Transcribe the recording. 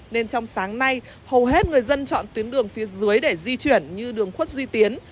nên trong sáng nay hầu hết người dân chọn tuyến đường phía dưới để di chuyển như đường khuất duy tiến